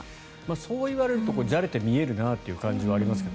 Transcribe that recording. そういわれるとじゃれて見えるなという感じはしますが。